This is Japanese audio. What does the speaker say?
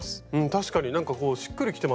確かになんかしっくりきてますよね